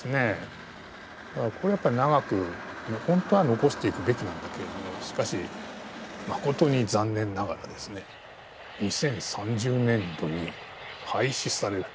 これやっぱり長く本当は残していくべきなんだけれどもしかしまことに残念ながら２０３０年度に廃止されるという。